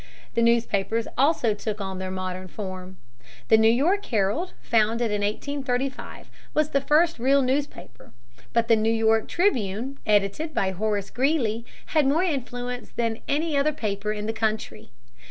The newspapers also took on their modern form. The New York Herald, founded in 1835, was the first real newspaper. But the New York Tribune, edited by Horace Greeley, had more influence than any other paper in the country.